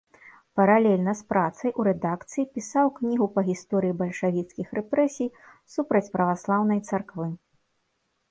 Паралельна з працай у рэдакцыі пісаў кнігу па гісторыі бальшавіцкіх рэпрэсій супраць праваслаўнай царквы.